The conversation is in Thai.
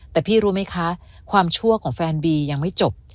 แต่พี่รู้ไหมคะความชั่วของแฟนบียังไม่จบ